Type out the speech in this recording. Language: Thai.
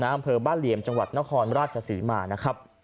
อำเภอบ้านเหลี่ยมจังหวัดนครราชศรีมานะครับ